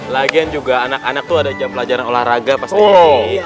lagian juga anak anak tuh ada jam pelajaran olahraga pasti